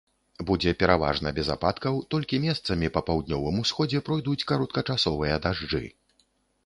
Будзе пераважна без ападкаў, толькі месцамі па паўднёвым усходзе пройдуць кароткачасовыя дажджы.